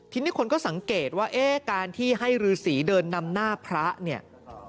ทีนี้คนก็สังเกตว่าเอ๊ะการที่ให้รือสีเดินนำหน้าพระเนี่ย